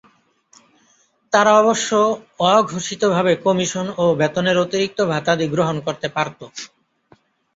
তারা অবশ্য অঘোষিতভাবে কমিশন ও বেতনের অতিরিক্ত ভাতাদি গ্রহণ করতে পারত।